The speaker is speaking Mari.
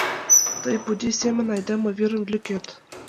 Тый пудий семын айдеме вӱрым лӧкет.